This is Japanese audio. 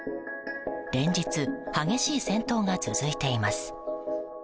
連日、激しい戦闘が続いています。